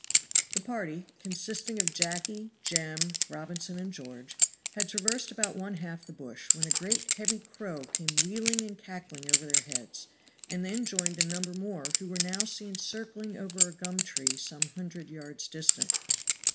THE party, consisting of Jacky, Jem, Robinson and George, had traversed about one half the bush, when a great heavy crow came wheeling and cackling over their heads, and then joined a number more who were now seen circling over a gum tree some hundred yards distant.